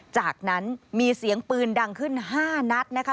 จากนั้นมีเสียงปืนดังขึ้น๕นัดนะคะ